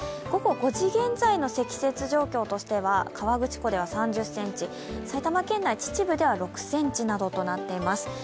午後５時現在の積雪状況としては、河口湖で３０ｃｍ、埼玉県内、秩父では６ｃｍなどとなっています。